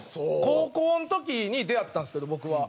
高校の時に出会ったんですけど僕は。